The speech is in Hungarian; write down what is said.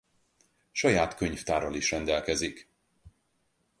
Saját könyvtárral is rendelkezik.